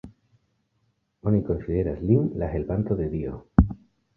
Oni konsideras lin la helpanto de Dio.